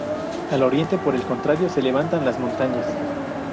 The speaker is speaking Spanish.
Al oriente, por el contrario, se levantan las montañas.